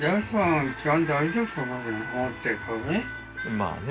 まあね。